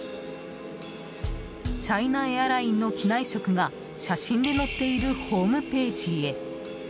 チャイナエアラインの機内食が写真で載っているホームページへ。